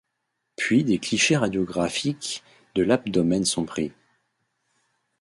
Puis des clichés radiographiques de l'abdomen sont pris.